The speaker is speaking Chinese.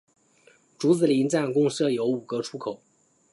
竹子林站共设有五个出口。